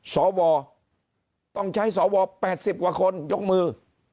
สวต้องใช้สว๘๐กว่าคนยกมือ